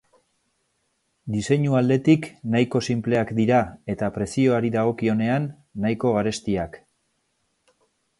Diseinu aldetik nahiko sinpleak dira eta prezioari dagokionean nahiko garestiak.